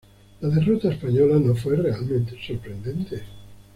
La derrota española no fue realmente sorprendente.